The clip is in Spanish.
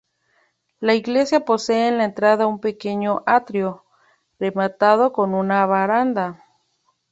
La iglesia posee en la entrada un pequeño atrio rematado con una baranda.